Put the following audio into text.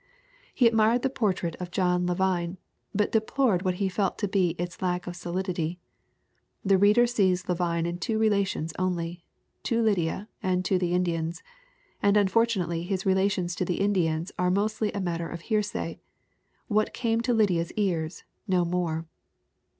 He admired the portrait of John Levine but deplored what he felt to be its lack of solidity. The reader sees Levine in two relations only to Lydia and to the Indians, and unfortunately his relations to the Indians are mostly a matter of hearsay, what came to Lydia's ears, no more.